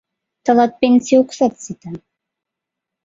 — Тылат пенсий оксат сита...